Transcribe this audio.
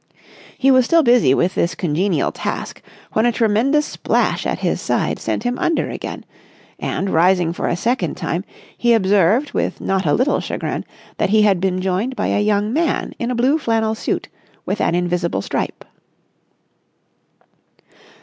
He was still busy with this congenial task when a tremendous splash at his side sent him under again: and, rising for a second time, he observed with not a little chagrin that he had been joined by a young man in a blue flannel suit with an invisible stripe.